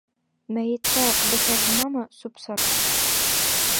Мәйеткә бысағымамы сүп-сар?